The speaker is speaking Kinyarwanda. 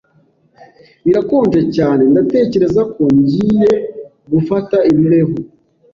Birakonje cyane. Ndatekereza ko ngiye gufata imbeho.